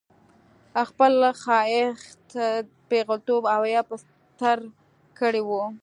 خپل ښايیت، پېغلتوب او حيا په ستر کړې وه